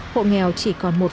hộ nghèo chỉ còn một năm